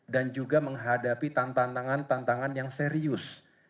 dan juga menghadapi tantangan tantangan yang serius